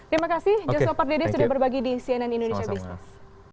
terima kasih joss hopper dede sudah berbagi di cnn indonesia business